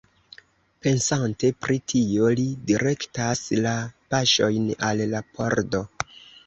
Pensante pri tio, li direktas la paŝojn al la pordo.